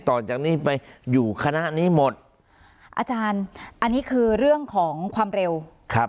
ต่อจากนี้ไปอยู่คณะนี้หมดอาจารย์อันนี้คือเรื่องของความเร็วครับ